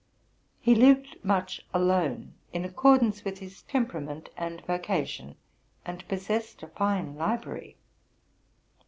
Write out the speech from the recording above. He lived much alone, in accordance with his temperament and vocation, and pos sessed a fine library.